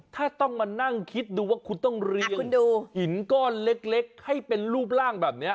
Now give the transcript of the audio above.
ถ้าต้องมานั่งคิดดูว่าคุณต้องเรียงหินก้อนเล็กให้เป็นรูปร่างแบบนี้